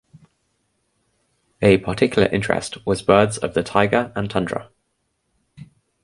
A particular interest was birds of the taiga and tundra.